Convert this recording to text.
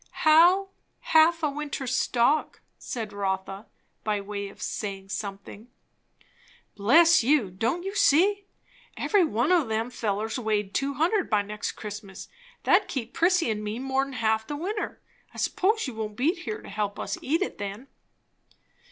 "How 'half a winter's stock'?" said Rotha, by way of saying something. "Bless you, don't you see? Every one o' them fellers'd weigh two hundred by next Christmas; and that'd keep Prissy and me more'n half the winter. I s'pose you won't be here to help us eat it then?"